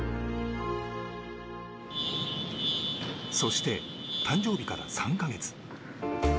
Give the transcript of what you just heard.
そして、誕生日から３か月。